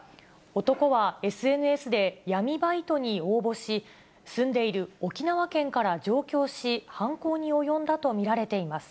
男はＳＮＳで闇バイトに応募し、住んでいる沖縄県から上京し、犯行に及んだと見られています。